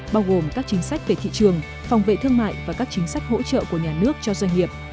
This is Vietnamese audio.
bao gồm các chính sách về thị trường phòng vệ thương mại và các chính sách hỗ trợ của nhà nước cho doanh nghiệp